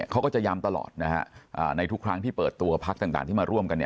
เขาก็จะย้ำตลอดในทุกครั้งที่เปิดตัวพักต่างที่มาร่วมกัน